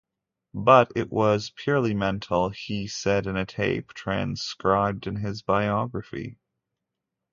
But it was purely mental, he said in a tape transcribed in his biography.